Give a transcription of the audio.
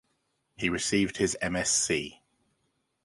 He received his M. Sc.